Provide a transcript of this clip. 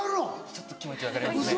ちょっと気持ち分かりますね。